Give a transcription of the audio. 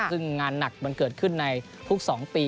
ซึ่งงานหนักมันเกิดขึ้นในทุก๒ปี